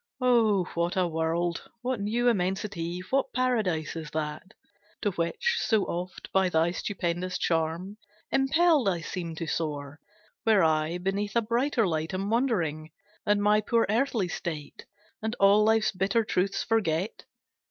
O what a world, what new immensity, What paradise is that, To which, so oft, by thy stupendous charm Impelled, I seem to soar! Where I Beneath a brighter light am wandering, And my poor earthly state, And all life's bitter truths forget!